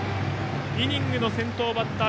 イニングの先頭バッター